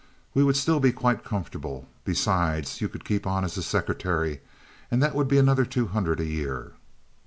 We should still be quite comfortable. Besides, you could keep on as his secretary, and that would be another two hundred a year."